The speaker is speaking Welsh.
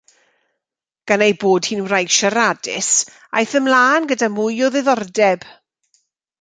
Gan ei bod hi'n wraig siaradus, aeth ymlaen gyda mwy o ddiddordeb.